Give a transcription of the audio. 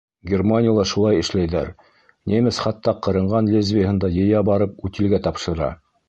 Германияла шулай эшләйҙәр, немец хатта ҡырынған лезвиеһын да йыя барып, утилгә тапшыра.